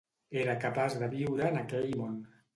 Era capaç de viure en aquell món